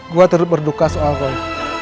gue terus berduka soal roy